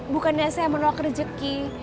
bukannya saya menolak rejeki